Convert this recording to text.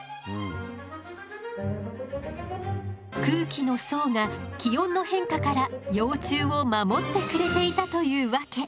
空気の層が気温の変化から幼虫を守ってくれていたというわけ。